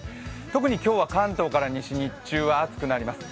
特に今日は関東から西、日中は暑くなります。